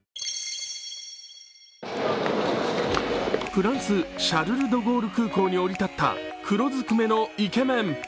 フランス、シャルル・ド・ゴール空港に降り立った黒ずくめのイケメン。